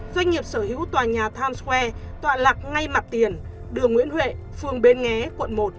doanh nghiệp sở hữu tòa nhà times square tọa lạc ngay mặt tiền đường nguyễn huệ phường bến nghé quận một